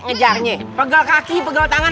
ngejarnya pegel kaki pegel tangan